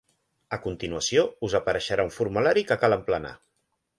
A continuació us apareixerà un formulari que cal emplenar.